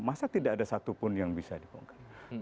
masa tidak ada satupun yang bisa dibongkar